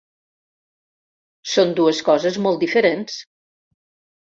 Són dues coses molt diferents.